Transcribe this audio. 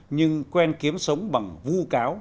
nhưng quen kiếm sống bằng vu cáo